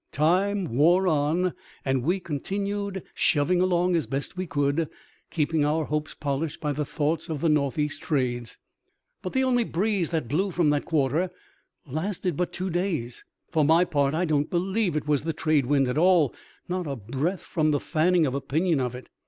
Time wore on, and we continued shoving along as best we could, keeping our hopes polished by thoughts of the north east trades. But the only breeze that blew from that quarter lasted but two days. For my part I don't believe it was the trade wind at all, not a breath from the fanning of a pinion of it.